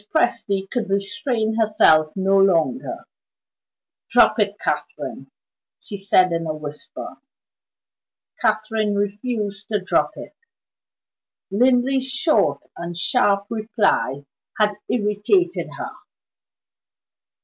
Presty could restrain herself no longer. "Drop it, Catherine!" she said in a whisper. Catherine refused to drop it; Linley's short and sharp reply had irritated her.